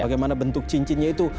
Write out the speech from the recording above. bagaimana bentuk cincinnya itu